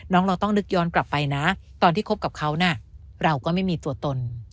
เราต้องนึกย้อนกลับไปนะตอนที่คบกับเขาน่ะเราก็ไม่มีตัวตน